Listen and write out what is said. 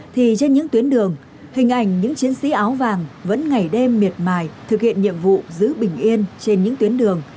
thì trên những tuyến đường hình ảnh những chiến sĩ áo vàng vẫn ngày đêm miệt mài thực hiện nhiệm vụ giữ bình yên trên những tuyến đường